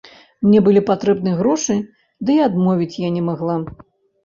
Мне былі патрэбныя грошы, ды і адмовіць я не магла.